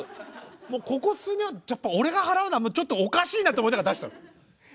もうここ数年はやっぱ俺が払うのはちょっとおかしいなと思いながら出した。